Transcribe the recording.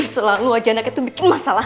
selalu wajah anak itu bikin masalah